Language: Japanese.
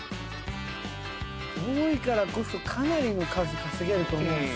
多いからこそかなりの数稼げると思うんです。